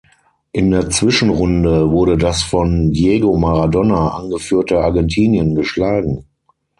In der Zwischenrunde wurde das von Diego Maradona angeführte Argentinien geschlagen.